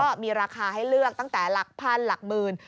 ก็มีราคาให้เลือกตั้งแต่หลักพันหลักหมื่น